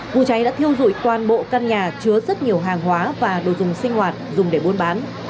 vụ cháy đã thiêu dụi toàn bộ căn nhà chứa rất nhiều hàng hóa và đồ dùng sinh hoạt dùng để buôn bán